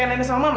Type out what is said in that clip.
nenek sama mama